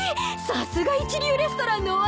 さすが一流レストランのお味ね。